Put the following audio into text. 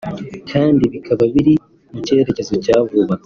kandi bikaba biri mu cyerekezo cya vuba